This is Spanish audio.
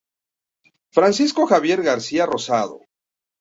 Francisco Javier García Rosado.